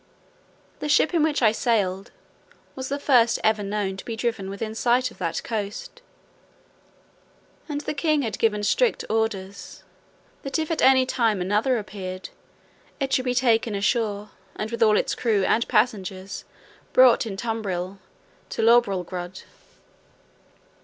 The ship in which I sailed, was the first ever known to be driven within sight of that coast, and the king had given strict orders, that if at any time another appeared, it should be taken ashore, and with all its crew and passengers brought in a tumbril to Lorbrulgrud.